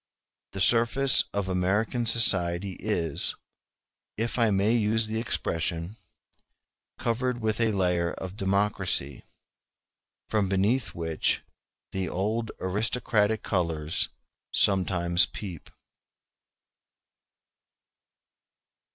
The surface of American society is, if I may use the expression, covered with a layer of democracy, from beneath which the old aristocratic colors sometimes peep.